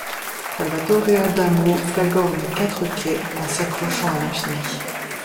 Salvatore Adamo flagorne quatre quais en s'accrochant à l'infini.